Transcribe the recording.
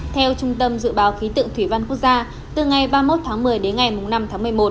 theo trung tâm dự báo khí tượng thủy văn quốc gia từ ngày ba mươi một tháng một mươi đến ngày năm tháng một mươi một